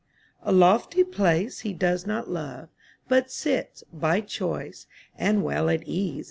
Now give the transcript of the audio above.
A lofty place he does not love. But sits, by choice, and well at ease.